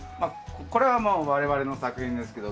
これはもう我々の作品ですけど。